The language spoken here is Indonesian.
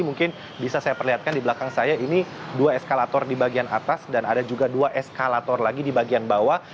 mungkin bisa saya perlihatkan di belakang saya ini dua eskalator di bagian atas dan ada juga dua eskalator lagi di bagian bawah